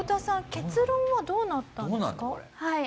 結論はどうなったんですか？